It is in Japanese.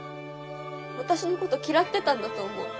私のこと嫌ってたんだと思う。